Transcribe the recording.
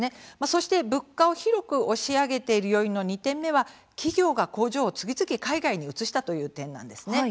そして、物価を広く押し上げている要因の２点目は、企業が工場を次々海外に移したという点なんですね。